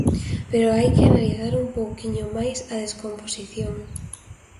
Pero hai que analizar un pouquiño máis a descomposición.